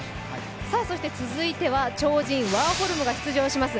そして続いては、超人ワーホルムが出場します